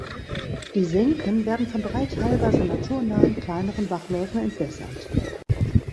Die Senken werden von drei teilweise naturnahen kleineren Bachläufen entwässert.